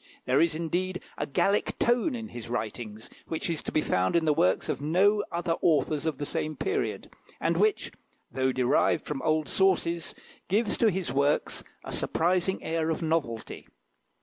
There is, indeed, a Gallic tone in his writings, which is to be found in the works of no other authors of the same period, and which, though derived from old sources, gives to his works a surprising air of novelty.